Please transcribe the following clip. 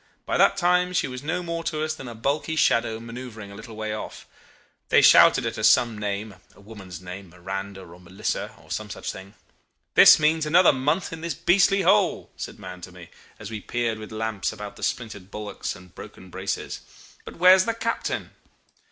By that time she was no more to us than a bulky shadow maneuvering a little way off. They shouted at us some name a woman's name, Miranda or Melissa or some such thing. 'This means another month in this beastly hole,' said Mahon to me, as we peered with lamps about the splintered bulwarks and broken braces. 'But where's the captain?